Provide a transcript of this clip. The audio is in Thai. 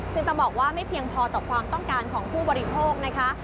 ซึ่งต้องบอกว่าไม่เพียงพอต่อความต้องการของผู้บริโภคนะคะ